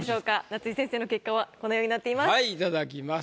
夏井先生の結果はこのようになっています。